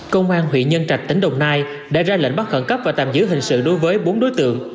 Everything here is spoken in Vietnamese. công an huyện nhân trạch tỉnh đồng nai đã ra lệnh bắt khẩn cấp và tạm giữ hình sự đối với bốn đối tượng